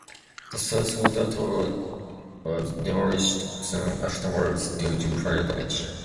The south water tower was demolished soon afterwards due to fire damage.